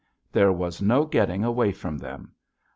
There was no getting away from them.